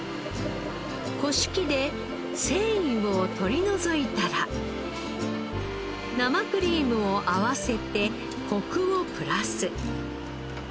こし器で繊維を取り除いたら生クリームを合わせてコクをプラス。